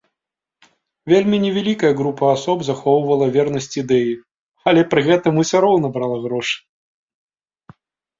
Вельмі невялікая група асоб захоўвала вернасць ідэі, але пры гэтым усё роўна брала грошы.